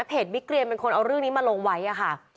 บิ๊กเรียนเป็นคนเอาเรื่องนี้มาลงไว้ค่ะ